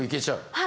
はい。